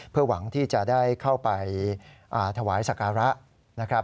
เพื่อหวังที่จะได้เข้าไปถวายศักราะ